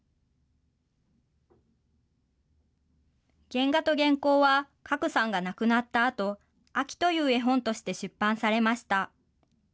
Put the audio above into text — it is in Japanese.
原画と原稿は、かこさんが亡くなったあと、秋という絵本として出版されました。